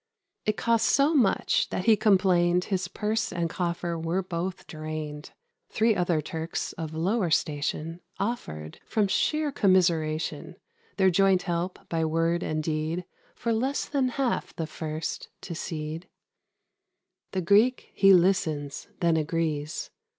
It cost so much, that he complained His purse and coffer were both drained. Three other Turks, of lower station, Offered, from sheer commiseration, Their joint help, by word and deed, For less than half the first to cede: [Illustration: THE BASHAW AND THE MERCHANT.] The Greek he listens, then agrees.